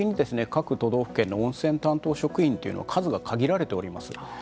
各都道府県の温泉担当職員というのは数が限られております。